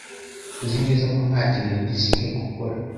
Uzi neza ko nta kintu gisigaye gukora?